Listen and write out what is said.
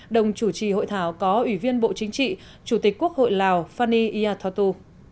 đồng chủ trì hội thảo có ủy viên bộ chính trị chủ tịch quốc hội lào fanny iatotu